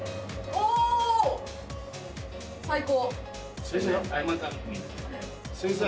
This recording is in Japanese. おー、最高。